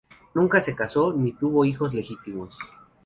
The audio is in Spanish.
Nunca se casó ni tuvo hijos legítimos.